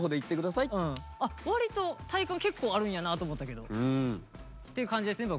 わりと体感結構あるんやなと思ったけどっていう感じですね